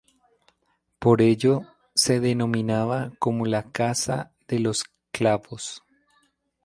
Por ello se denominaba como la Casa de los Clavos.